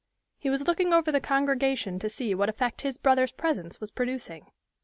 He was looking over the congregation to see what effect his brother's presence was producing.